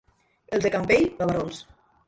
Els del Campell, gavarrons.